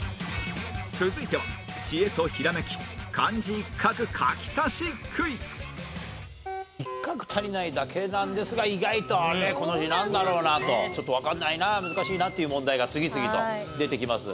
続いては知恵とひらめき漢字一画書き足しクイズ一画足りないだけなんですが意外とねこの字なんだろうな？とちょっとわからないな難しいなっていう問題が次々と出てきます。